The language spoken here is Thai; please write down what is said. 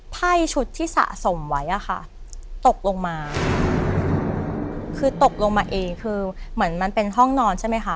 ไพ่ชุดที่สะสมไว้อะค่ะตกลงมาคือตกลงมาเองคือเหมือนมันเป็นห้องนอนใช่ไหมคะ